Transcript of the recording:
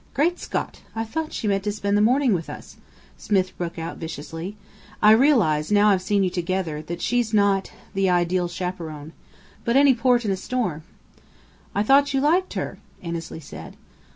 "Great Scott, I thought she meant to spend the morning with us!" Smith broke out, viciously. "I realize, now I've seen you together, that she's not the ideal chaperon. But any port in a storm!" "I thought you liked her," Annesley said.